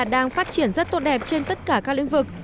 đang phát triển rất tốt đẹp trên tất cả các lĩnh vực